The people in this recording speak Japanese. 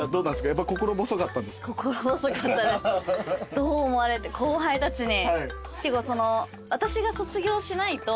どう思われて後輩たちに。